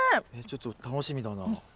ちょっと楽しみだな。